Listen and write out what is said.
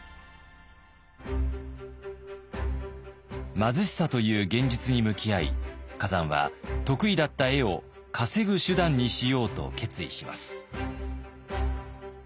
貧しさという現実に向き合い崋山は得意だった絵を稼ぐ手段にしようと決意します。